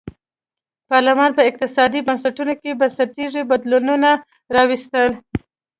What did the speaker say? پارلمان په اقتصادي بنسټونو کې بنسټیز بدلونونه راوستل.